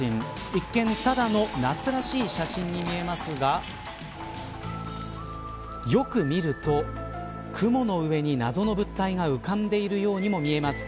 一見、ただの夏らしい写真に見えますがよく見ると雲の上に謎の物体が浮かんでいるようにも見えます。